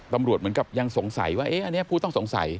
ตำรวจเหมือนกับยังสงสัยว่าเอ๊ะอันนี้ผู้ต้องสงสัย